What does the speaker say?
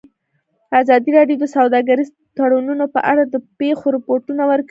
ازادي راډیو د سوداګریز تړونونه په اړه د پېښو رپوټونه ورکړي.